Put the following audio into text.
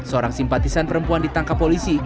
seorang simpatisan perempuan ditangkap polisi